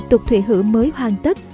tục thủy hữ mới hoàn tất